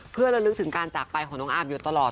เพื่อระลึกถึงการจากไปของน้องอาร์มอยู่ตลอด